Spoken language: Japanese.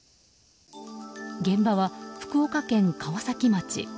現場は福岡県川崎町。